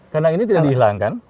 kandang ini tidak dihilangkan